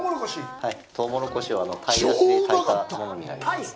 トウモロコシを鯛出汁で炊いたものになります。